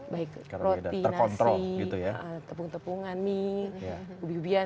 baik roti nasi tepung tepungan mie ubi ubian